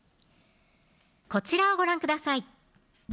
こちらをご覧ください